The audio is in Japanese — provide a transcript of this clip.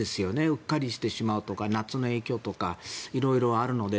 うっかりしてしまうとか夏の影響とか色々あるので。